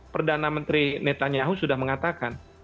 perdana menteri netanyahu sudah mengatakan